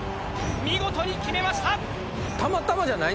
見事に決めました！